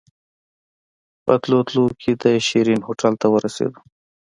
په تلو تلو کې د شيرين هوټل ته ورسېدو.